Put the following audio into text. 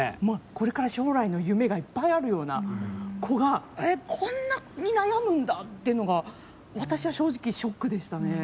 これから将来の夢がいっぱいあるような子がええ、こんなに悩むんだってのが私は正直、ショックでしたね。